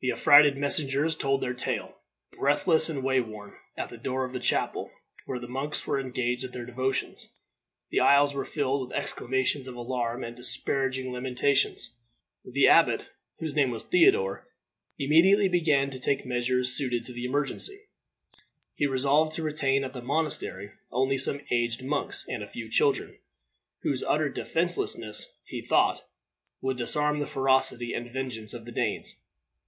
The affrighted messengers told their tale, breathless and wayworn, at the door of the chapel, where the monks were engaged at their devotions. The aisles were filled with exclamations of alarm and despairing lamentations. The abbot, whose name was Theodore, immediately began to take measures suited to the emergency. He resolved to retain at the monastery only some aged monks and a few children, whose utter defenselessness, he thought, would disarm the ferocity and vengeance of the Danes.